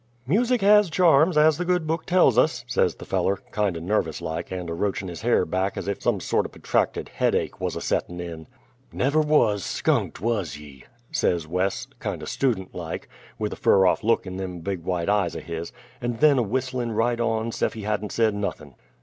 "'Music has charms,' as the Good Book tells us," says the feller, kindo' nervous like, and a roachin' his hair back as ef some sort o' p'tracted headache wuz a settin' in. "Never wuz 'skunked,' wuz ye?" says Wes, kindo' suddent like, with a fur off look in them big white eyes o' his and then a whistlin' right on 'sef he hadn't said nothin'.